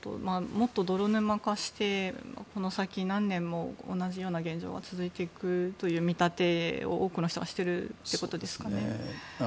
もっと泥沼化してこの先、何年も同じような現状が続いていくという見立てを多くの人がしてるってことですかね。